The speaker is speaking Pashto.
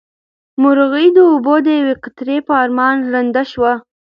مرغۍ د اوبو د یوې قطرې په ارمان ړنده شوه.